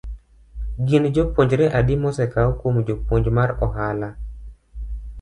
Gin jopuonjre adi mosekau kuom puonj mar ohala?